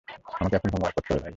আমাকে এখন হোমওয়ার্ক করতে হবে, বাই।